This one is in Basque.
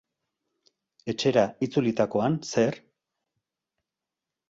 Etxera itzulitakoan, zer?